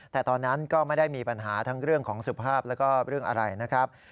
แต่ตอนนั้นก็ไม่ได้มีปัญหาทั้งเรื่องของสุภาพแล้วก็เรื่องอะไรนะครับ